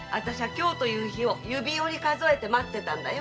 今日という日を指折り数えて待ってたんだよ。